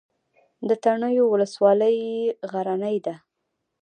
د تڼیو ولسوالۍ غرنۍ ده